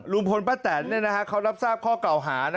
ลุงพลป้าแตนเขารับทราบข้อเก่าหา